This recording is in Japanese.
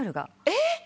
えっ！？